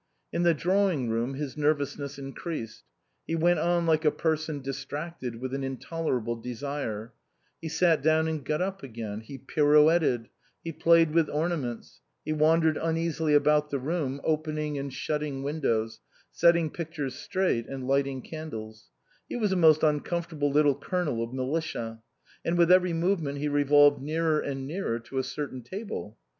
In the draw ing room his nervousness increased ; he went on like a person distracted with an intolerable desire ; he sat down and got up again ; he pirouetted ; he played with ornaments ; he wandered uneasily about the room, opening and shutting windows, setting pictures straight and lighting candles ; he was a most uncomfortable little Colonel of militia. And with every move ment he revolved nearer and nearer to a certain table.